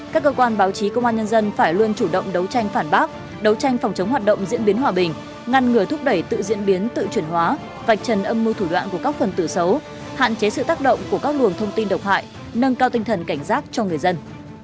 các cơ quan báo chí công an nhân dân phải luôn chủ động đấu tranh phản bác đấu tranh phòng chống hoạt động diễn biến hòa bình ngăn ngừa thúc đẩy tự diễn biến tự chuyển hóa vạch trần âm mưu thủ đoạn của các phần tử xấu hạn chế sự tác động của các luồng thông tin độc hại nâng cao tinh thần cảnh giác cho người dân